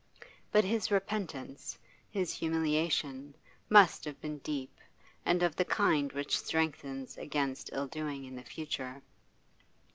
But his repentance, his humiliation, must have been deep, and of the kind which strengthens against ill doing in the future.